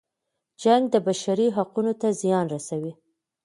جنګ د بشري حقونو ته زیان رسوي.